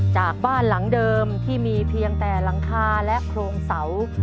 จากบ้านหลังเดิมที่มีเพียงแต่หลังคาและโครงเสา